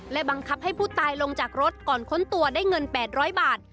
และบังคับให้ผู้ตายลงจากรถก่อนค้นตัวได้เงิน๘๐๐บาท